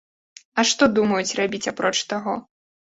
А што думаюць рабіць апроч таго?